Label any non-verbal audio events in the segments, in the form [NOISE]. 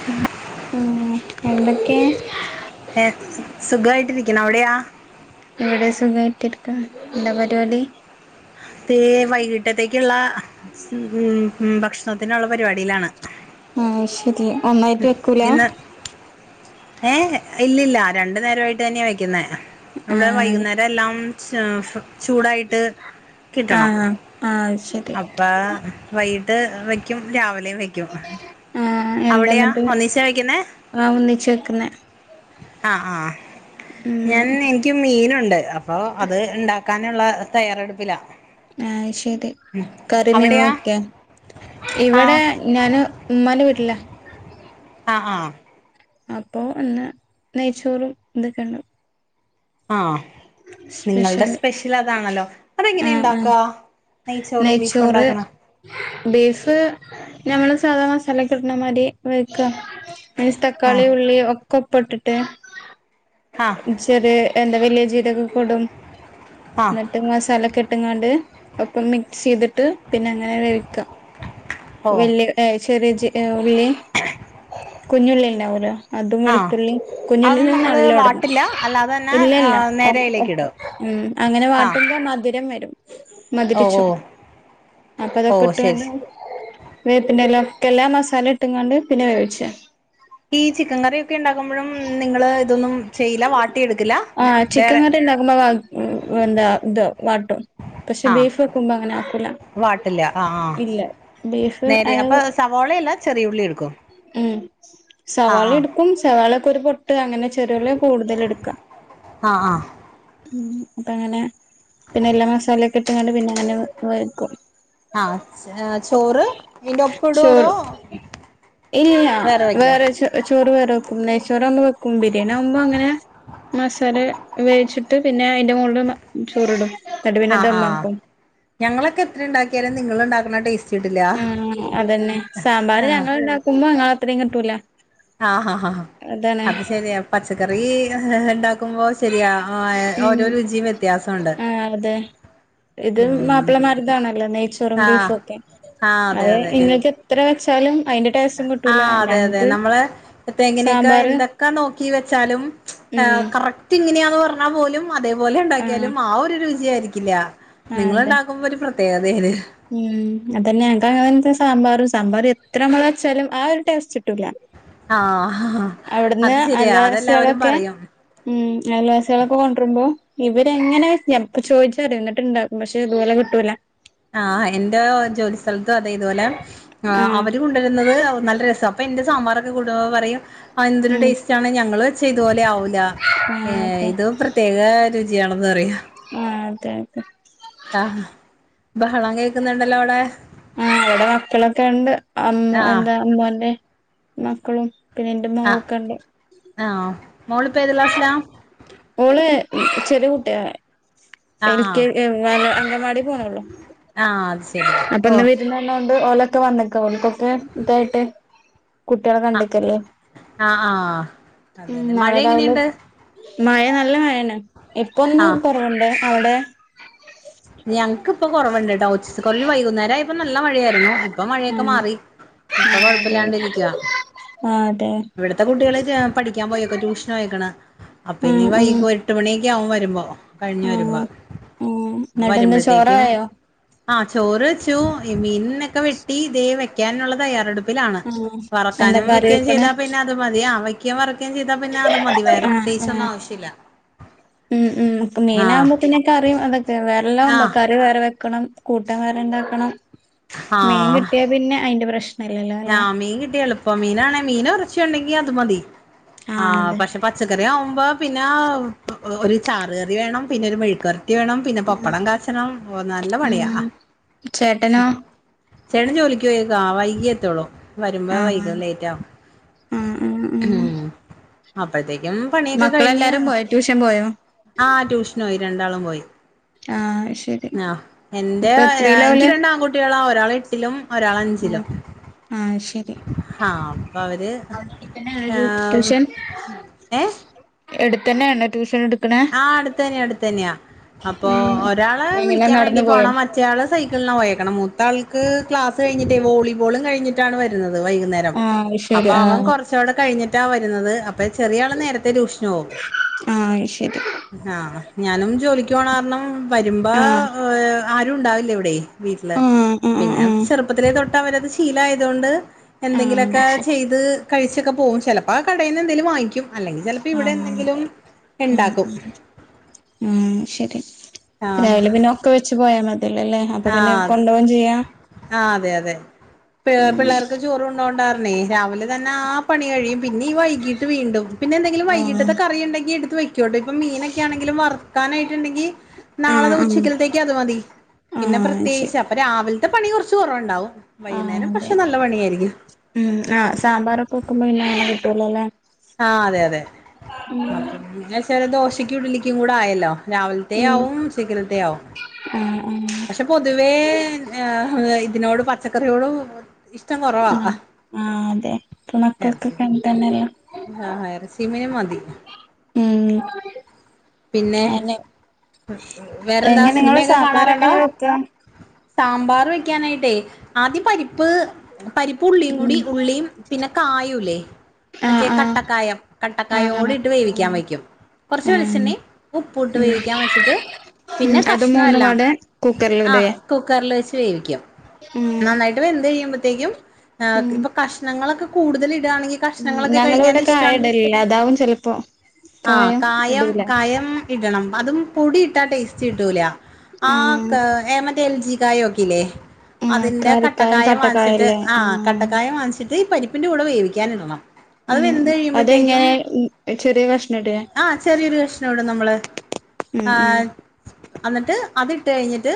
പിൻ ആഹ് എന്തൊക്കെ ഏഹ് സുഖമായിട്ടിരിക്കണ് അവിടെയാ? ഇവിടെ സുഖയിട്ട് ഇരിക്കണ് എന്താ പരിപാടി? തേ വൈകിട്ടത്തേക്കുള്ള ഉം ഉം ഭക്ഷണത്തിനുള്ള പരിപാടിയിലാണ് ആഹ് ശരി ഒന്നായിട്ട് വെക്കൂല ഇന്ന് ഏ ഇല്ലില്ല രണ്ട് നേരായിട്ടെന്നെ വെക്ക്‌ന്നെ ഇവിടെ ആഹ് വൈകുന്നേരെല്ലാം ചൂടായി ട്ട് കിട്ടണം ആഹ് ആഹ് ശരി പ്പ വൈകിട്ട് വെക്കും രാവിലേം വെക്കും ആഹ് അവിടെയാ എന്താന്നിട്ട് ഒന്നിച്ച വെക്ക്‌ന്നെ ആഹ് ഒന്നിച്ച് വെക്കുന്നെ ആ ആ ഞാൻ ഉം എനിക്ക് മീനുണ്ട് അപ്പൊ അത് ണ്ടാക്ക ക്കാനുള്ള തയ്യാറെടുപ്പിലാ ആ അത് ശെരി കറി മീൻ വെക്ക ആ ഇവടെ ഇ ഞാന് ഇമ്മാന്റെ വീട്ടില ആഹ് ആഹ് അപ്പോ ഇന്ന് നെയ്ച്ചോറും ഇതൊക്കെണ്ട് ആ നിങ്ങൾടെ സ്പെഷ്യൽ സ്പെഷ്യലതാണല്ലോ അതെങ്ങനെ ആഹ് ണ്ടാക്ക ആഹ് നെയ്ച്ചോറും ബീഫും നെയ്ച്ചോറ് ണ്ടാക്കണെ ബീഫ് ഞമ്മള് സാധാ മസാലൊക്കെ ഇട്ണ മാതിരി വെക്ക നെയ്സ് തക്കാളി ആഹ് ഉള്ളി ഒക്കൊപ്പട്ട്ട്ട് ആ ച്ചിരി എന്താ വെല്യ ജീരകൊക്കെടും ആഹ് ന്ന് ട്ട് മസാലൊക്കെട്ട്ങ്ങാണ്ട് ഒപ്പം മിക്സെയ്ത്ട്ട് പിന്നെ അങ്ങനെ വേവിക്കാ ഓ വല്യ ഏ ചെറിയ ജി ഉള്ളി കുഞ്ഞുള്ളിണ്ടാവൂലോ അതും ആഹ് വെളുത്തുള്ളി കുഞ്ഞുള്ളി അതൊന്നും നമ്മള് നല്ലോടണം വാട്ടില്ല അല്ലാതെ തന്നെ ഇല്ലല്ല ഒപ്പ നേരയിലേക്ക് ഒപ്പം ഇടും ഉം അങ്ങനെ ആഹ് വാട്ടുമ്പോ മധുരം വെരും ഓ ഓ മധുരിച്ചും അപ്പൊ ഓ ശരി അതൊക്കെട്ടാണ്ട് വേപ്പിന്റെല ക്കെല്ലാ മസാലട്ട്ങ്ങാണ്ട് പിന്നെ വേവിച്ച ഈ ചിക്കൻ കറിയൊക്കെ ണ്ടാക്കുമ്പഴും നിങ്ങളെ ഇതൊന്നും ചെയ്യില്ല വാട്ടിയെടുക്കില്ല ആ ചിക്കൻ വേറെ കറി ണ്ടാക്കുമ്പോ എന്താ ഇത് വാട്ടും പക്ഷെ ആഹ് ബീഫ് വെക്കുമ്പോ അങ്ങനാക്കൂല വാട്ടില്ല ആഹ് ആഹ് ഇല്ല ബീഫ് നേരെ അ അപ്പൊ സവോളയല്ല ചെറിയുള്ളിട്ക്കും ഉം സവാളട്ക്കും സവാളൊക്കൊരു പൊട്ട് അങ്ങനെ ചെറിയുള്ളി കൂട്തൽട്ക്കാ ആ ആ ഉം പ്പങ്ങനെ പിന്നെ എല്ലാ മസാലൊക്കെട്ട്ങ്ങാണ്ട് പിന്നങ്ങനെ വേവിക്കും ആ ചോറ് ഇയ്ന്റൊപ്പടൊ അതോ ചോറ് ഇല്ല വേറെ ച ചോറ് വേറെ വെക്കും നെയ്ച്ചോറാവുമ്പോ വെക്കും ബിരിയാണി ആവുമ്പോ അങ്ങനെ മസാല വേവിച്ചിട്ട് പിന്നെ അയ്ന്റെ മോളില് ചോറ്ടും അ ആ ഞങ്ങളൊക്കെ എത്രണ്ടാക്ക്യാലും നിങ്ങള്ണ്ടാക്ക്‌ണ ടേസ്റ്റ് കിട്ടില്ല ആ ആ അതെന്നെ സാമ്പാർ ഞങള്ണ്ടാക്കുമ്പോ ങ്ങളത്രയും കിട്ടൂല ആ ഹ ഹ അതാണ് അത് ശെരിയാ പച്ചക്കറി ണ്ടാ ക്കുമ്പോ ശെരിയാ ഓരോ രുചിം വ്യത്യാസൊണ്ട് അ അതെ ഇത് മാപ്പളമാര്താണല്ലോ നെയ്ച്ചോറും ആഹ് ബീഫൊക്കെ അതെ ഇങ്ങക്ക് ത്ര വെച്ചാലും അയ്ന്റെ ആ അതെ അതെ നമ്മള് പ്പെങ്ങനൊക്കെ സാമ്പാറ് എന്തൊക്കെ നോക്കി വെച്ചാലും ഉം കറക് റ്റ്ങ് ന്യ പറഞ്ഞാ പോലും അതേപോലെ ആഹ് ണ്ടാക്ക്യാലും ആ ഒരു രുചിയായിരിക്കില്ല ആഹ് അതെ നിങ്ങള്ണ്ടാക്കുമ്പോ ഒരു പ്രത്യേകതേണ് ഉം അതെന്നെ ഞങ്ങക്ക് അങ്ങൻത്തെ സാമ്പാറ് സാമ്പാറ് എത്ര മ്മള് വെച്ചാലും ആ ഒരു ടേസ്റ്റ്ട്ടൂല്ല ആ അത് ശെരിയാ അതെല്ലാവരും അയൽവാസികളൊക്കെ പറയും ഉം അയൽവാസിയളൊക്കെ കൊണ്ട്ര്മ്പോ ഇവരെങ്ങനെഞ പ്പോ ചോയ്ച്ചറിയും ന്ന്ട്ട്ണ്ടാക്കും പക്ഷെ ഇതുപോലെ കിട്ടൂല ആ എന്റെ ജോലിസ്ഥലത്തും അതേ തുപോലെ ആഹ് അവര് ണ്ടരുന്നത് നല്ല രസ അപ്പൊ എന്റെ സാമ്പാറോക്കെ കൂട്ട്മ്പോ പറയും എന്തൊരു ഉം ടേസ് റ്റാണ് ഞങ്ങള് വെച്ച ഇത്പോലെ ആവൂല്ല ആഹ് അതെ ഇത് പ്രത്യേക രുചിയാണെന്ന് പറയും ആ അതെ അതെ ആഹ് ബഹളം കേക്കുന്നുണ്ടല്ലോ അവിടെ ആ ഇവടെ മക്കളൊക്കെണ്ട് അമ്മ ആഹ് എന്താ അമ്മോന്റെ മക്കളും പിന്നെ ഇന്റെ മോള് ആഹ് ഒക്കണ്ട് ആഹ് മോളിപ്പോ ഏത് ക്ലാസ്സിലാ മോള് ചെറിയ കുട്ടിയാ ആഹ് എൽ ആഹ് കെ അങ്കൻവാടി പോണൊള്ളൂ ആഹ് അത് ശരി അപ്പൊ ഓ ഇന്ന് വിരുന്ന് പന്നേണ്ട് ഓല- ഒക്കെ വന്നക്ക ഓൽക്കൊക്ക ഇതായിട്ട് കുട്ടിയളെ ആഹ് കണ്ടിക്കല്ലേ ആഹ് ആഹ് അതെ ഉം അതെ മഴ നാളെ രാവിലെ എങ്ങനെയുണ്ട് മഴ നല്ല മഴാണ് ഇപ്പൊന്നെ ആഹ് കൊറവുണ്ട് അവിടെ ഞങ്ങക്കിപ്പൊ കൊറവുണ്ട്ട്ടോ കുറ വൈകുന്നേരം ആയപ്പൊ നല്ല മഴയായിരുന്നു ഇപ്പൊ മഴയൊക്കെ ആഹ് മാറി ഇപ്പൊ ആഹ് അതെ കൊഴപ്പില്ലാണ്ടിരിക്കുവാ ആഹ് അതെ ഇവിട വ്ട്‌ത്തെ കുട്ടികളെക്കെ പഠിക്കാ പോയേക്ക ട്യൂഷനെയേക്ണ അപ്പം ഉം ഇനി ഉം വൈകോ എട്ട് മണിയ്ക്കെവും വരുമ്പോ കഴിഞ്ഞു വരുമ്പോ ആഹ് ഉം അപ്പൊ എന്നിട്ടെന്താ വരുമ്പഴത്തേക്കും ചോറായോ ആഹ് ചോറ് വെച്ചു ഈ മീനൊക്കെ വെട്ടി തേ വെക്കാനുള്ള തയ്യാറെടു പ്പിലാണ് ആഹ് എന്താ വറക്കാനും കറി വെക്കെ വെക്കണെ ചെയ്താ പിന്നെ അത് മതിയാവ ക്ക്യേം വറക്കെ ചെയ്താ പിന്നെ അത് മതി വേറെ ആഹ് പ്രതേകിച്ചൊന്നും ആഹ് ആവശ്യല്ല ഉം ഉം പ്പ മീനാകുമ്പോ പിന്നെ കറി അതൊക്കെ വേറെല്ലാം മ്പോ ആഹ് കറി വേറെ വെക്കണം കൂട്ടാം വേറെണ്ടാക്കണം മീൻ ആഹ് കിട്ടിയാ പിന്നെ അയ്ന്റെ പ്രശ്നം ആഹ് മീൻ കിട്ടിയ എളുപ്പം മീനാണെ മീനോറച്ചൊണ്ടെങ്കി അത് മതി ആഹ് പക്ഷെ പ പച്ചക്കറി ആവുമ്പോ പിന്നെ ഒരു ചാറുകറി വേണം പിന്നെ ഒരു മെഴുക്ക് വറ കത്തി വേണം പിന്നെ പപ്പടം കാച്ചണം നല്ല ഉം പണിയാ ഉം ചേട്ടനോ ചേട്ടൻ ജോലിക്ക് പോയക്കാ വൈകി എത്തോളൂ വരുമ്പോ ആഹ് വൈക ലേറ്റ് ആവും ഉം അപ്പയ്ത്തേക്കും പണിയൊക്കെ കഴിഞ്ഞ് മക്കളെല്ലാരും പോയോ ട്യൂഷൻ പോയോ ആഹ് ട്യൂഷ്നോയി രണ്ടാളും പോയി ആഹ് ശരി ആഹ് എന്റെ ഇപ്പൊ എത്രയിലാ എനിക്ക് ഓല് രണ്ടാങ്കു കുട്ടികള ഒരാള് എട്ടിലും ഒരാള് ഉം അഞ്ചിലും ആഹ് ശെരി ഹാ അപ്പൊവര് ഏഹ് എടുത്തെന്നെണോ ട്യൂഷൻ എടു ആഹ് അടുത്തന്നെയ അടുത്തന്നെയാ അപ്പൊ ഉം ഒരാള് എങ്ങനെ വിളിക്കാൻ വേണ്ടി നടന്നു പോയോ പോണം കുച്ചയാള് സൈക്കിളിന്നാ പോയക്കണ മൂത്ത ആൾക്ക് ക്ലാസ് കയിഞ്ഞിട്ടേ വോളിബോളും കഴിഞ്ഞിട്ടാണ് വരുന്നത് വൈകുന്നേരം ആഹ് അപ്പൊ ശരി അവൻ ആഹ് കൊറച്ചൂടെ കയ്ഞ്ഞിട്ടാ വരുന്നത് അപ്പൊ ചെറിയള് നേരത്തെ ടൂക്ഷനൊവും ആഹ് അയ്ശെരി ആഹ് ഞാനും ജോലിക്ക് പോണ കാരണം വരുമ്പോ ആഹ് ആരും ഉണ്ടാവില്ല ഇവിടെയ് വീട്ടില് ആഹ് ആഹ് പിന്നെ ചെറുപ്പത്തിലെതൊട്ട് അവരത് ശീലായതൊണ്ട് എന്തെങ്കിലെക്കെ ആഹ് ചെയ്ത് കഴിച്ചൊക്കെ പോകും ചെലപ്പോ ആ കടയിൽന്ന് എന്തെലും വാങ്ങിക്കും അല്ലെങ്കി ചെലപ്പോ പ്പ ആഹ് ആഹ് ശരി ആഹ് ഇവിടെന്തെങ്കിലും അതെ ഇണ്ട ഉം ഉം ഉം ശെരി ആഹ് രാവിലെ പിന്നെ ഒക്കെ വെച്ച് പോയാ മതില്ലല്ലേ അപ്പൊ പിന്നെ ആഹ് കൊണ്ടൊവും ചെയ്യാം ആഹ് അതെ അതെ പിള്ളേർക്ക് ചോറ്ണ്ടോണ്ടാർണേ രാവിലെതന്നെ ആഹ് പണി കഴിയും പിന്നെ ഈ വൈകീട്ട് വീണ്ടും പിന്നന്തെങ്കിലും ആഹ് വൈകിട്ടത്തെ കറി ഇണ്ടെങ്കി എടുത്ത് വെക്കോട്ടോ ഇപ്പ മീനൊക്കെ ആണെങ്കിലും വറുക്കാനായിട്ട് ഇണ്ടങ്കിൽ ആഹ് നാളെത് ആഹ് ഉച്ചക്കൽത്തേക്കത് മതി പിന്നെ ആഹ് പ്രത്യേകിച്ച് ശരി അപ്പൊ രാവിൽത്തെ പണി കൊറച്ച് കൊറവ് ഉണ്ടാവും ആഹ് അതെ ഉം ആഹ് സാമ്പാറൊക്കെവെക്കുമ്പോ പിന്നെ അങ്ങനെ കിട്ടലോല്ലേ ആഹ് അതെ അതെ അപ്പം പിന്ന ചില ദോശക്കും ഇഡിലിക്കും കൂടെ ആയല്ലോ ഉം രാവിൽത്തെയാവും ഉച്ചക്കെൽത്തെയാവും ആഹ് ആഹ് പക്ഷെ പൊതുവേ ആ ഇതിനോട് പച്ചക്കറിയോടും ആഹ് ആഹ് അതെ [UNINTELLIGIBLE] തെങ്ങനെയാ ആഹ്ഹാ യെർച്ചി മീനു മതി ഉം പിന്നെ അതെ വേറെന്താ എങ്ങനെങ്ങൾ സിനിമയൊക്കെ കാണാറുണ്ടോ സാമ്പാറെങ്ങനെ വെക്കാ? സാമ്പാർ വെക്കാനായിട്ടേ ആദ്യംപരിപ്പ് പരിപ്പ് ഉള്ളിയും കൂടി ഉം ഉള്ളിയും പിന്നെ കായുംല്ലേ ആഹ് മറ്റേ ആഹ് കട്ടക്കായം ആഹ് ആഹ് കട്ടക്കായൂടിട്ട് ആഹ് വേവിക്കാൻ വെക്കും കൊറച്ച് ആഹ് വെളിച്ചണ്ണേ ഉപ്പൂട്ട് ഉം വേവിക്കാൻ വെച്ചിട്ട് ഉം പിന്നെ അത് മൂന്നും കഷ്ണൊല്ലാം പാടെ കുക്കറിൽ ഇടേ ആഹ് കുക്കറ്ല് വെച്ച് വേവിക്കും നന്ന ഉം നന്നായ്ട്ട് വെന്ത് കഴിയ്മ്പത്തേക്കും ആഹ് ഉം പ്പകഷ്ണങ്ങളൊക്കെ കൂടുതലിടാണെങ്കി ഉം കഷ്ണങ്ങളൊക്കെ ഞങ്ങളിവിടെ കായ കഴിക്കാനിഷ്ടാണ് ഇടലില്ല അതാവും ചെലപ്പോ ആഹ് കായം കായം ഇടണം അതും പൊടിയിട്ടാ ടേസ്റ്റ് കിട്ടൂല ആഹ് ക്ക എ എൽ ജി കായൊക്കെയില്ലേ ആഹ് അതിന്റെ കറിക്കായം കട്ടക്കായം വാങ്ങ്ച്ചിട്ട് കട്ടക്കായല്ലേ ആഹ് കട്ടക്കായം വാങ്ങിച്ചിട്ട് ഈ പരിപ്പിന്റെ കൂടെ വേവിക്കാനിടണം ഉം അത് വെന്ത് കഴിയുമ്പോഴത്തേക്കും അതെങ്ങനെ ചെറിയ കഷ്ണം ഇടെ ആ ചെറിയൊരു പ്രഷ്ന ഇവിട നമ്മള് ഉം ഉം ആഹ് അന്നിട്ട് അത്ട്ട് കഴിഞ്ഞിട്ട്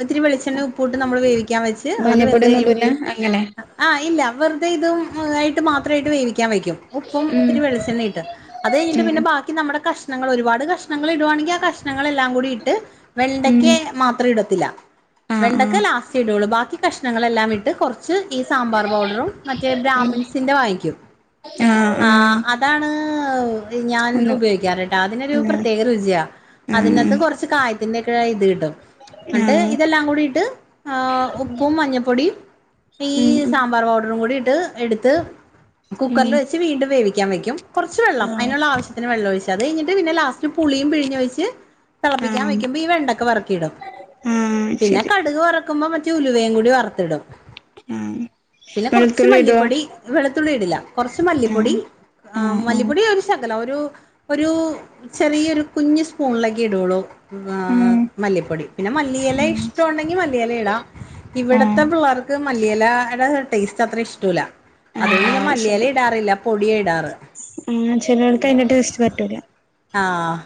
ഒത്തിരി വെളിച്ചെണ്ണ ഉപ്പട്ട് നമ്മള് വേവിക്കാൻ വെച്ച് അത് വെന്ത് മഞ്ഞപ്പൊടിയൊന്നും കഴിയും ഇടൂല അങ്ങനെ ആഹ് ഇല്ല വെറുതെ ഇതും ആയിട്ട് മാത്രമായിട്ട് വേവിക്കാൻ വയ്ക്കും. ഉപ്പും ഉം ഇത്തിരി വെളിച്ചെണ്ണയിട്ട് അത് കഴിഞ്ഞിട്ട് ഉം പിന്നെ ബാക്കി നമ്മുടെ കഷ് കണങ്ങൾ ഒരുപാട് കഷ്ണങ്ങ ഇടുവാണെങ്കിൽ ആ കഷ്ണങ്ങളെല്ലാം കൂടി ഇട്ട് ഉം വെണ്ടക്ക് മാത്രം ഇടത്തില്ല. ആഹ് വെണ്ടക്കെ ആഹ് ലാസ്റ്റ് ഇടുള്ളൂ ബാക്കി കഷ്ണങ്ങളെല്ലാം ഇട്ട് കുർ ച്ച് ഈ സാമ്പർ പൗഡറും മറ്റെ ബ്രാമിൺസ് ന്റെ വാങ്ങിക്കും ആഹ് അതാണ് ഞാൻ ഒന്ന് ഉപയോഗിക്കാറട്ടാ അതിനൊരു ആഹ് പ്രത്യേക രുചിയാ ആഹ് അതിനകത്ത് കുറ കുറച്ച് കായത്തിന്റെ ഒക്കെ ഇത് കിട്ടും. എന്നിട്ട് ആഹ് ഇതെല്ലാം കൂടിയിട്ട് ഉപ്പും മഞ്ഞൾപ്പൊടിയും. ഈ ഉം ഉം സാമ്പാർ പൗഡറും കൂടിട്ട്. എടുത്ത് ഉം കുക്കറിൽ വെച്ച് വീണ്ടും വേവിക്കാൻ വെക്കും കുറച്ച് വെള്ളം അതിനുള്ള ആവശ്യത്തിന് വെള്ളം ഒഴിച്ച് അത് കഴിഞ്ഞിട്ട് പിന്നെ ലാസ്റ്റ് പുളിയും പിഴഞൊഴിച്ച് തിളപ്പിക്കാൻ ആഹ് വെക്കുമ്പോ ഈ വെണ്ടക്ക പറക്കിയിടും. ആഹ് പിന്നെ ശരി കടുക് വറക്കുമ്പോ മറ്റേ ഉലുവയും കൂടി വറത്തിടും. ആഹ് പിന്നെ കൊറച്ച് വെളുത്തുള്ളി ഇടുവോ മല്ലിപ്പൊടി. വെളുത്തുള്ളി ഇടില്ല കുറച്ച് ആഹ് മല്ലിപ്പൊടി ആഹ് മല്ലിപ്പൊടി ഒരു ശകലം ഒരു. ഒരു ചെറിയൊരു കുഞ്ഞ് സ്പൂണിലക്കെ ഇടുള്ളൂ. ആഹ് മല്ലിപ്പൊടി പിന്നെ മല്ലിയില ഇഷ്ടംണ്ടെങ്കിൽ മല്ലിയില ഇടാം. ഇവിടത്തെ ആഹ് പിള്ളേർക്ക് മല്ലിയല അത് ടേസ്റ്റ് അത്ര ഇഷ്ടല്ല. അതുകൊണ്ട് ആഹ് ഞാൻ അത് മല്ലിയില ശരി ഇടാറില്ല പൊടിയ ഇടാറ്. ആഹ് ചിലാൾക്ക് അതിന്റെ ടെസ്റ്റ്‌ പറ്റൂല. ആഹ്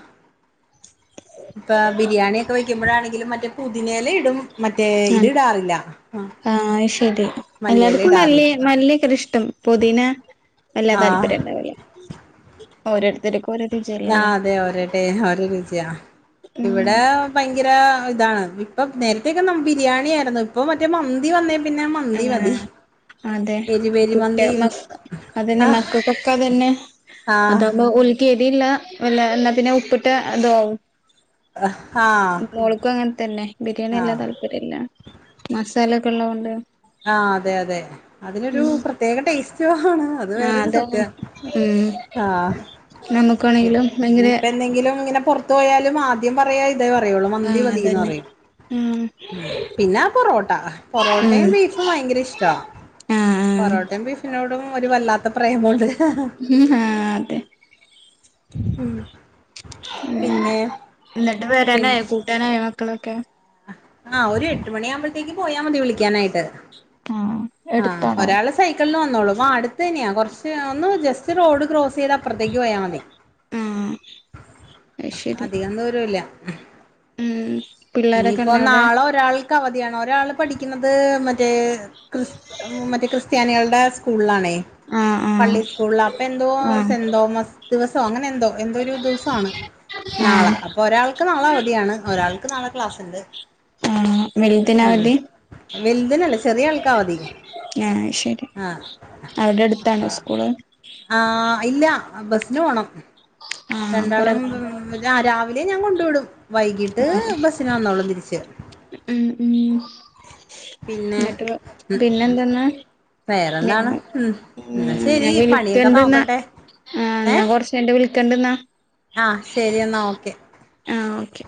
ഇപ്പൊ ബിരിയാണി ഒക്കെ വെക്കുമ്പോഴാണെങ്കിലും മറ്റേ പുതിനേല ഇടും മറ്റേ ഇത് ആഹ് ഇടാറില്ല. ആഹ് ആഹ് അത് ശരി എല്ലാർക്കും മല്ലി മല്ലി കൃഇഷ്ടം പൊതിന എല്ലാ ആ താല്പര്യംണ്ട കില്ല ഓരോരുത്തർക്ക് ആഹ് അതെ ഓരോടേ ഓരോ രുചിയാ ഉം ഇവിടെ ഭയങ്കര ഇതാണ് ഇപ്പ നേരത്തൊക്കെ ദം ബിരിയാണിആയിരുന്നു ഇപ്പ മറ്റേ മന്തി വന്ന പിന്നെ മന്തി മതി. ആഹ് അതെ എരിവേരി കുട്ടിക മന്തി മ അതന്നെ ആ മക്കൾക്കൊക്കെ അതന്നെ. ആ അതാവുമ്പോ ഉലക്ക് എഴതിയില്ല വല്ല എന്നാ പിന്നെ ഉപ്പിട്ട് ഇതുവും ആ ആ മോൾകും അങ്ങനെ തന്നെ ബിരിയാണി അല്ലാ താല് ര്യല്ല മസാല ഒക്കെ ഉള്ളത് കൊണ്ട്. ആഹ് അതെ അതെ അതിനൊരു പ്രത്യേക ടേസ്റ്റ് ആണ്. അത് ആഹ് വേറരു അതാണ് സത്യ ഉം ആഹ് നമുക്കാണെങ്കിലും ഭയങ്കര ഇപ്പ എന്തെങ്കിലും ഇങ്ങനെപൊറത്ത് ത്ത് പോയാലും ആദ്യം പറയാ തേ പറയൊള്ളൂ മന്തി ആഹ് മതീന്ന് അതന്നെ പറയും. ആഹ് ഉം പിന്നാ പൊറോട്ട ഉം പൊറോട്ടയും ബീഫ് ഫും ഭയങ്കര ഇഷ്ട, ആഹ് പൊറോട്ടയും ആഹ് ബീഫിനോടും, ഒരു വല്ലാത്ത പ്രേമുണ്ട്. ഉം ആഹ് അതെ ഉം അങ്ങനെ പിന്നെ. എന്നിട്ട് പിന്നെ വരാനായോ, കൂട്ടാ നായോ മക്കളൊ ക്കെ? ആഹ് ഒരു എട്ട് മണിയാവുമ്പോഴ്ത്തേക്ക് പോയാ മതി വിളിക്കാനായിട്ട് ആഹ്. ആഹ് എടുത്താണോ ഒരാള് സൈക്കിൾന് വന്നോളും ആഹ് അട്ത്തന്നെയാ കൊർച്ച് ഒന്ന് ജസ്റ്റ് റോഡ് ക്രോസെയ്താ അപ്പർത്തേക്ക് പോയാ മതി ആഹ് അത് ശരി അധികം ദൂരൂല്ല ഉം പിള്ളേരൊക്കെ ഇഞ്ഞിപ്പോ ഇണ്ട അവിടെ നാള ഒരാൾ. ക്കവധിയാണ് ഒരാള് പഠിക്കുന്നത് മറ്റേ ക്രിസ് മറ്റേ ക്രിസ്ത്യാനികൾടെ സ്കൂൾളാണേ, ആഹ് പള്ളി സ്കൂളിലാ അപ്പെന്തോ ആഹ് ആഹ് സെന്റ് തോമസ് ദിവസോ അങ്ങനെ എന്തോ എന്തോ ഒരു ദിവസാണ് നാള. ആഹ് ഒരാൾക്ക് നാളെ അവധിയാണ് ഒരാൾക്ക് നാളെ ക്ലാസ്ണ്ട് ആഹ് വല്തിനാ ഉം അവധി? വലുതിനല്ല. ചെറിയ ആൾക്കാ അവധി ആഹ് ശരി ആഹ് അവിടെ അടുത്താണോ അപ്പാ സ്കൂള് ആഹ് ഇല്ല ബസ്സിന് പോണം. ആഹ് കൊറെ രണ്ടാളും പോണോ ആഹ് രാവിലെ ഞാൻ കൊണ്ടു വിടും, വൈകീട്ട് ആഹ് ബസ്സിന് വന്നോളും തിരിച്ച്. ഉം ഉം പിന്നെ ന്നട്ട് പിന്നെ എന്തെന്നാ വേറെന്താണ് നിങ്ങള് ഉം എന്നാ ശരി ഞാൻ പണിയൊക്കെ വിളിക്കണ്ട് ന്നാ നോക്കട്ടെ ആഹ്, ഏ എന്നാ കൊറച് കയിഞ്ഞിട്ട് വിളിക്കണ്ട് ന്നാ. ആഹ് ശരി എന്നാ ഓക്കെ. ആഹ്, ഓക്കെ.